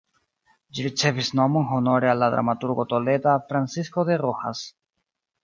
Ĝi ricevis nomon honore al la dramaturgo toleda Francisco de Rojas.